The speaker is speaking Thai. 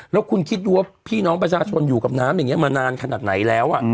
แล้วคุณคิดดูว่าพี่น้องประชาชนอยู่กับน้ำอย่างนี้มานานขนาดไหนแล้ว